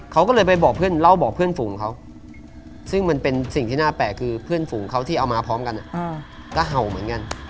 เขาก็เลยไปบอกเพื่อนเล่าบอกเพื่อนฝูงเขาซึ่งมันเป็นสิ่งที่น่าแปลกคือเพื่อนฝูงเขาที่เอามาพร้อมกันก็เห่าเหมือนกัน